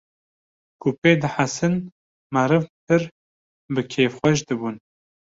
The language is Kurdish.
ku pê dihesin meriv pir bi kêfxweş dibûn